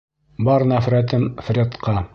Бар нәфрәтем Фредҡа.